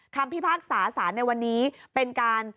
พิพากษาสารในวันนี้เป็นการ